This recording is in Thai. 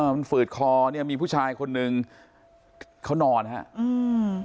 มันฝืดคอเนี่ยมีผู้ชายคนหนึ่งเขานอนฮะอืม